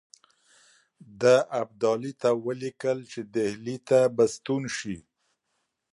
ده ابدالي ته ولیکل چې ډهلي ته به ستون شي.